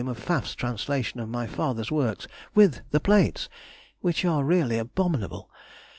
of Pfaff's translation of my father's works—with the plates, which are really abominable.